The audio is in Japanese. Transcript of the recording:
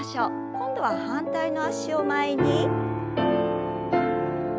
今度は反対の脚を前に。